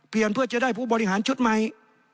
เปลี่ยนเพื่อจะได้ผู้บริหารชุดใหม่